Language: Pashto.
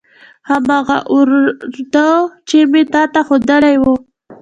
هماغه اوراد چې مې تا ته خودلي وو.